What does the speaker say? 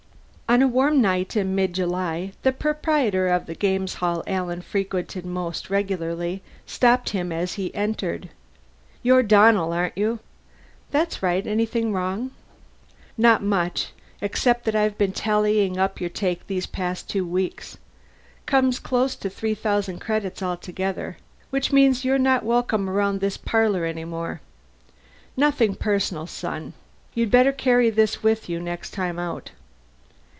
On a warm night in mid July the proprietor of the games hall Alan frequented most regularly stopped him as he entered. "You're Donnell, aren't you?" "That's right. Anything wrong?" "Nothing much, except that I've been tallying up your take the past two weeks. Comes to close to three thousand credits, altogether. Which means you're not welcome around this parlor any more. Nothing personal, son. You'd better carry this with you next time out."